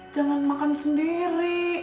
jangan makan sendiri